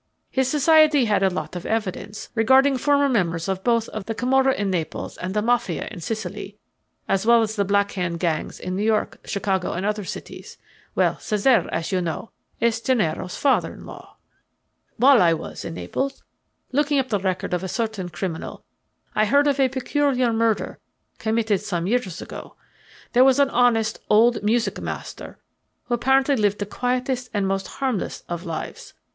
His society had a lot of evidence regarding former members of both the Camorra in Naples and the Mafia in Sicily, as well as the Black Hand gangs in New York, Chicago, and other cities. Well, Cesare, as you know, is Gennaro's father in law. "While I was in Naples looking up the record of a certain criminal I heard of a peculiar murder committed some years ago. There was an honest old music master who apparently lived the quietest and most harmless of lives.